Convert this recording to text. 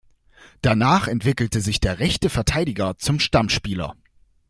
Danach entwickelte sich der rechte Verteidiger zum Stammspieler.